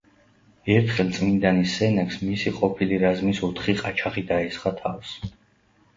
ერთხელ წმინდანის სენაკს მისი ყოფილი რაზმის ოთხი ყაჩაღი დაესხა თავს.